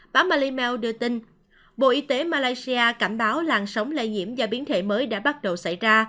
bà malimel đưa tin bộ y tế malaysia cảnh báo làn sóng lây nhiễm và biến thể mới đã bắt đầu xảy ra